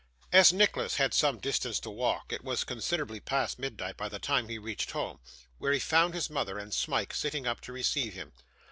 As Nicholas had some distance to walk, it was considerably past midnight by the time he reached home, where he found his mother and Smike sitting up to receive him.